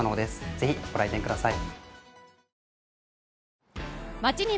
ぜひご来店ください。